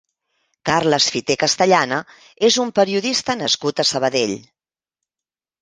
Carles Fité Castellana és un periodista nascut a Sabadell.